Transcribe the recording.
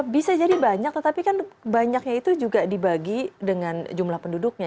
bisa jadi banyak tetapi kan banyaknya itu juga dibagi dengan jumlah penduduknya